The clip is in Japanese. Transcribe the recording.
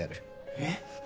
えっ？